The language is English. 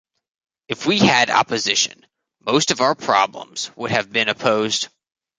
If we had opposition most of our problems would have been opposed.